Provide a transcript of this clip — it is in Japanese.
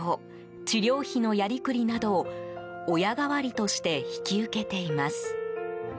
治療費のやりくりなどを親代わりとして引き受けています。